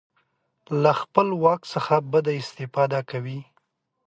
له خپل واک څخه بده استفاده کوي.